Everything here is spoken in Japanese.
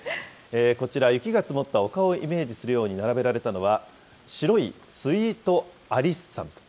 こちら、雪が積もった丘をイメージするように並べられたのは、白いスイートアリッサムと。